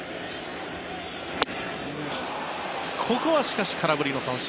ここはしかし空振りの三振。